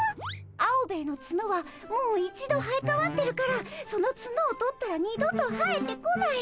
アオベエのツノはもう一度生えかわってるからそのツノを取ったら二度と生えてこない。